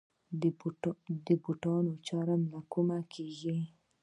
د بوټانو چرم له کومه کیږي؟